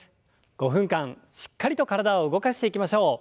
５分間しっかりと体を動かしていきましょう。